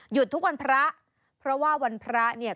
ทุกวันพระเพราะว่าวันพระเนี่ย